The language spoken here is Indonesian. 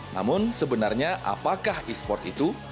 namun sebenarnya apakah esports itu